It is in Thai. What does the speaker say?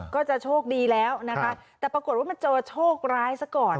ก็จะโชคดีแล้วนะคะแต่ปรากฏว่ามันเจอโชคร้ายซะก่อน